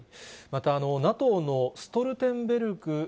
またＮＡＴＯのストルテンベルグ